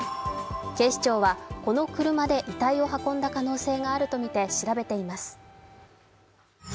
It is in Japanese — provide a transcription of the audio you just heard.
警視庁は、この車で遺体を運んだ可能性があるとみて調べています。